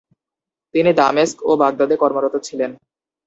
তিনি দামেস্ক ও বাগদাদে কর্মরত ছিলেন।